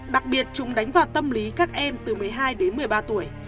đặc biệt chúng đánh vào tâm lý các em từ một mươi hai đến một mươi ba tuổi